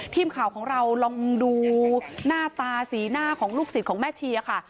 ทีมข่าวของเราลองดูหน้าตาสีหน้าของลูกศิษย์ของแม่ชีค่ะ